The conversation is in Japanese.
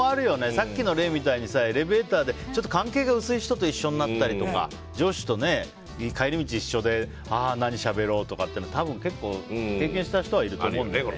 さっきの例みたいにエレベーターでちょっと関係が薄い人と一緒になったりとか上司と帰り道が一緒で何しゃべろうとか多分、結構経験した人はいると思う。